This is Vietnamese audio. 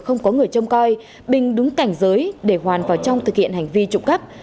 không có người trông coi bình đúng cảnh giới để hoàn vào trong thực hiện hành vi trộm cắp